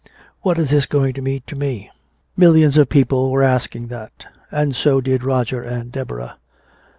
"What is this going to mean to me?" Millions of people were asking that. And so did Roger and Deborah.